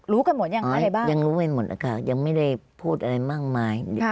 รู้กันหมดยังไหมไหนบ้างยังรู้ไม่หมดแล้วค่ะยังไม่ได้พูดอะไรมากมาย